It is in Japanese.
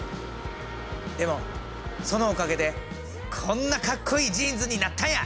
でもそのおかげでこんなかっこいいジーンズになったんや！